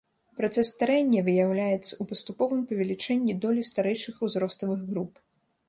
Працэс старэння выяўляецца ў паступовым павелічэнні долі старэйшых узроставых груп.